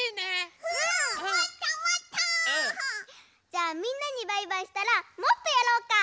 じゃあみんなにバイバイしたらもっとやろうか。